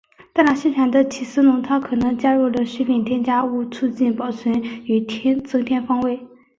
大量生产的起司浓汤可能加入了食品添加物促进保存与增添风味。